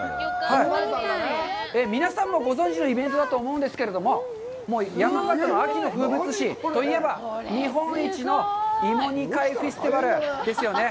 皆さんもご存じのイベントだと思うんですけれども、山形の秋の風物詩といえば、芋煮会フェスティバルですよね。